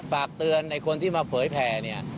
ฝากเตือนในคนที่มาเผยแผ่เนี่ย